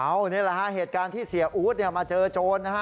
เอานี่แหละฮะเหตุการณ์ที่เสียอู๊ดมาเจอโจรนะฮะ